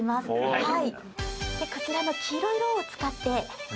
はい。